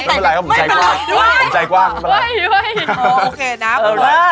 ไม่เป็นไรผมใจกว้างไม่เป็นไรโอเคนะคุณเวิร์ด